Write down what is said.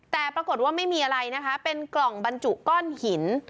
แต่ปรากฏว่าไม่มีอะไรนะคะเป็นกล่องบรรจุก้อนหิน